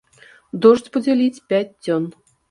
Дождж будзе ліць пяць дзён!